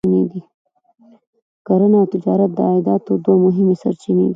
کرنه او تجارت د عایداتو دوه مهمې سرچینې دي.